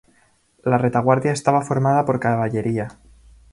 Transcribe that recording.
La retaguardia estaba formada por caballería.